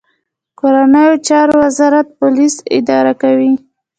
کورنیو چارو وزارت پولیس اداره کوي